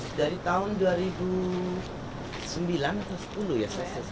ini dari tahun dua ribu sembilan atau dua ribu sepuluh ya saya rasa